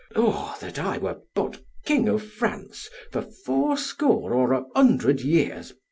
Oh that I were but King of France for fourscore or a hundred years!